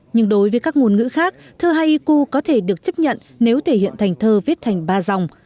nhưng đối với các ngôn ngữ khác thơ haiiku có thể được chấp nhận nếu thể hiện thành thơ viết thành ba dòng